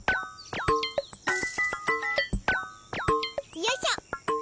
よいしょ。